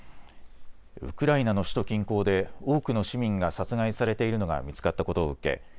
ウクライナの首都近郊で多くの市民が殺害されているのが見つかったことを受け